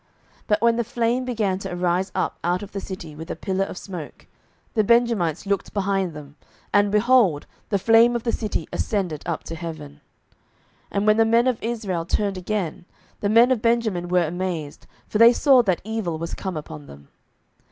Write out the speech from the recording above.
07:020:040 But when the flame began to arise up out of the city with a pillar of smoke, the Benjamites looked behind them, and, behold, the flame of the city ascended up to heaven. 07:020:041 And when the men of Israel turned again, the men of Benjamin were amazed: for they saw that evil was come upon them.